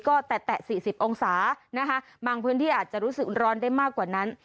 ก็แตะ๔๐องศานะคะบางพื้นที่อาจจะรู้สึกร้อนได้มากกว่านั้น